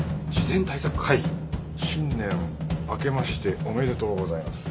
新年明けましておめでとうございます。